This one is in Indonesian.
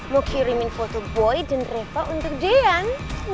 mau kirimin foto boy dan reva untuk dian